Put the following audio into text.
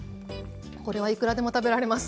これはいくらでも食べられます。